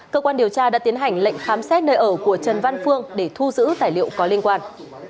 cơ quan điều tra đã tiến hành lệnh khám xét nơi ở của trần văn phương để thu giữ tài liệu có liên quan